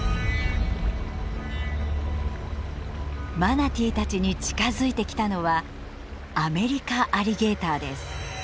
マナティーたちに近づいてきたのはアメリカアリゲーターです。